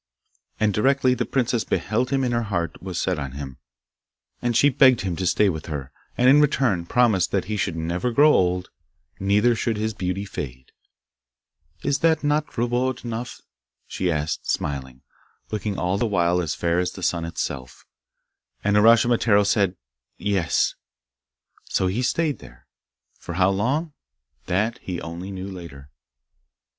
And directly the princess beheld him her heart was set on him, and she begged him to stay with her, and in return promised that he should never grow old, neither should his beauty fade. 'Is not that reward enough?' she asked, smiling, looking all the while as fair as the sun itself. And Uraschimataro said 'Yes,' and so he stayed there. For how long? That he only knew later.